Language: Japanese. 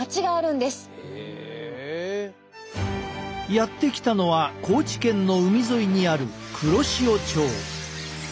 やって来たのは高知県の海沿いにある黒潮町。